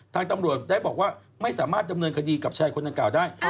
ทางตำรวจได้บอกว่าไม่สามารถดำเนินคดีกับชายคนดังกล่าวได้